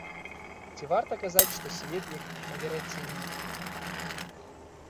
Ці варта казаць, што свет як на верацяне?!